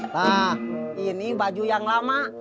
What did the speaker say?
nah ini baju yang lama